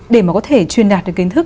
để mà có thể truyền đạt được kiến thức